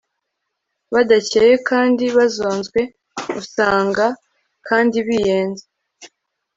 badakeye kandi bazonzwe usanga kandi biyenza